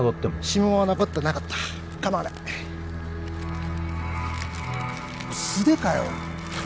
指紋は残ってなかった構わない素手かよ！